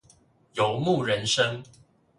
游牧人生